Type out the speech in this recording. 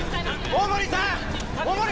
大森さん